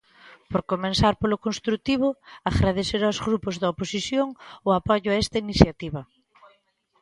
Por comezar polo construtivo, agradecer aos grupos da oposición o apoio a esta iniciativa.